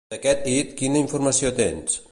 D'aquest hit, quina informació tens?